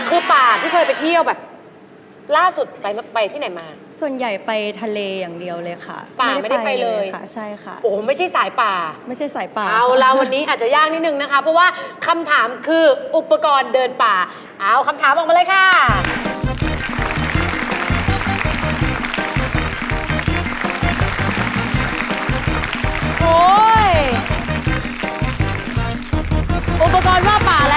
อุปกรณ์ทั่ว่าป่าแล้วคนเข็นหน้าป่ากว่าอุปกรณ์นะฮะ